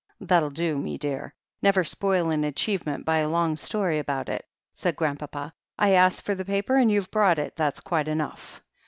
"That'll do, me dear. Never spoil an achievement by a long story about it," said Grandpapa. "I asked for the paper and you've brought it. That's quite enough."